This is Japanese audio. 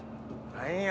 何や？